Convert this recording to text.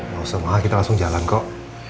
gak usah ma kita langsung jalan kok